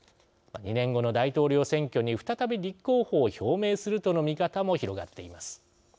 ２年後の大統領選挙に再び立候補を表明するとの見方も広がっています。